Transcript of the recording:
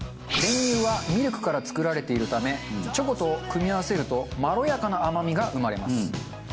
練乳はミルクから作られているためチョコと組み合わせるとまろやかな甘みが生まれます。